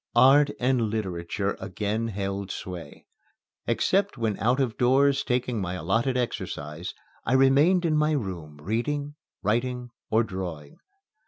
Art and literature again held sway. Except when out of doors taking my allotted exercise, I remained in my room reading, writing, or drawing.